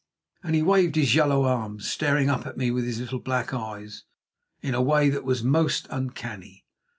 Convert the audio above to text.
And he waved his yellow arms, staring up at me with his little black eyes in a way that was most uncanny.